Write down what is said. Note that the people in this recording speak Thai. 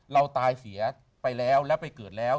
เราตายเสียไปแล้วแล้วไปเกิดแล้ว